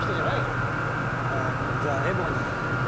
もうじゃあエボニー。